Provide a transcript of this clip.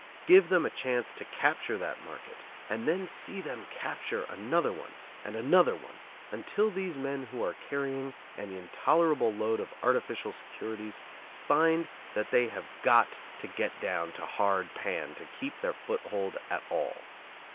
Give them a chance to capture that market and then see them capture another one and another one, until these men who are carrying an intolerable load of artificial securities find that they have got to get down to hard pan to keep their foothold at all.